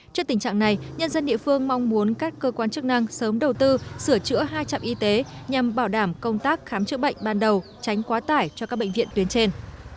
trước tình trạng này nhân dân địa phương mong muốn các cơ quan chức năng sớm đầu tư sửa chữa hai trạm y tế nhằm bảo đảm công tác khám chữa bệnh ban đầu tránh quá tải cho các bệnh viện tuyến trên